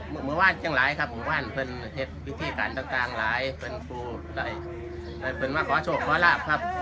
มือว่านยังหลายครับมือว่านเป็นเหตุวิธีการต่างหลายเป็นครูได้เป็นมาขอโชคขอรับครับ